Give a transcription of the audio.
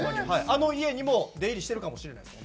あの家にも出入りしてるかもしれないです